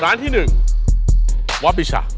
ร้านที่๑วอปิชะ